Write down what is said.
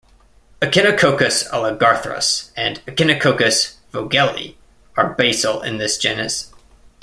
"Echinococcus oligarthrus" and "Echinococcus vogeli" are basal in this genus.